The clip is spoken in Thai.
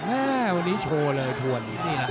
วันนี้โชว์เลยถ้วน